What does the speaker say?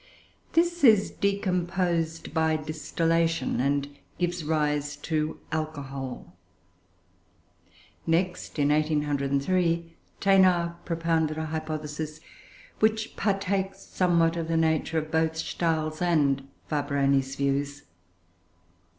This is decomposed by distillation, and gives rise to alcohol. Next, in 1803, Thénard propounded a hypothesis which partakes somewhat of the nature of both Stahl's and Fabroni's views.